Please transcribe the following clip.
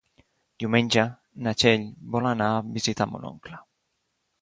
Diumenge na Txell vol anar a visitar mon oncle.